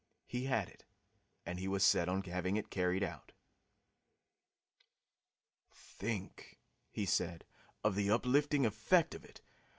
He had it, and he was set on having it carried out. "Think," he said, "of the uplifting effect of it!